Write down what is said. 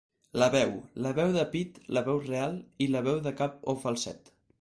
La veu, la veu de pit la veu real, i la veu de cap o falset